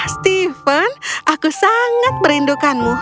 stephen aku sangat merindukanmu